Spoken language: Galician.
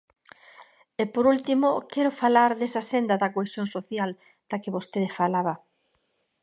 E, por último, quero falar desa senda da cohesión social da que vostede falaba.